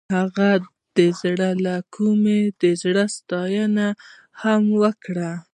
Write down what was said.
هغې د زړه له کومې د زړه ستاینه هم وکړه.